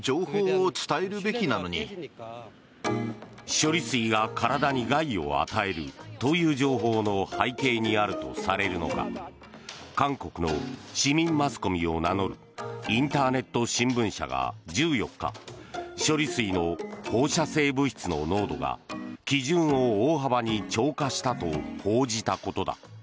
処理水が体に害を与えるという情報の背景にあるとされるのが韓国の市民マスコミを名乗るインターネット新聞社が１４日処理水の放射性物質の濃度が基準を大幅に超過したと報じたことだ。